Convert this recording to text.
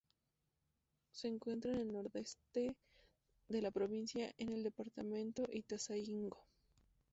Se encuentra en el nordeste de la provincia, en el departamento Ituzaingó.